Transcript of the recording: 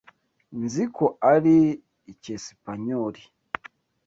Nzi ko ari icyesipanyoli